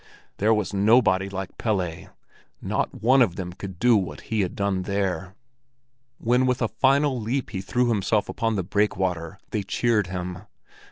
There was nobody like Pelle, not one of them could do what he had done there! When with a final leap he threw himself upon the breakwater, they cheered him.